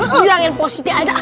bilangin positif aja